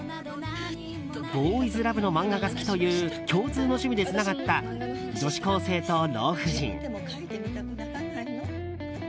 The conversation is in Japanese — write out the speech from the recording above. ボーイズラブの漫画が好きという共通の趣味でつながった女子高生と老婦人。